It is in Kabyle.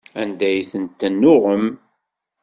Anda ay ten-tennuɣem?